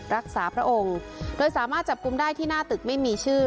พระองค์โดยสามารถจับกลุ่มได้ที่หน้าตึกไม่มีชื่อ